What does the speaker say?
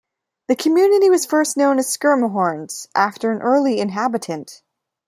The community was first known as "Schermerhorn's" after an early inhabitant.